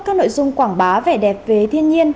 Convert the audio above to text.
các nội dung quảng bá vẻ đẹp về thiên nhiên